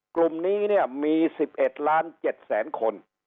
กลุ่มนี้เนี่ยมี๑๑ล้าน๗แสนคน